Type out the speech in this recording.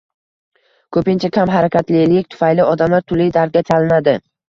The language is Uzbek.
Ko‘pincha kam harakatlilik tufayli odamlar turli dardga chalinadi